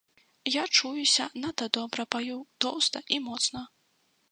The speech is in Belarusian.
Я чуюся надта добра, паю тоўста і моцна.